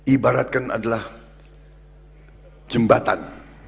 ibaratkan adalah jembatan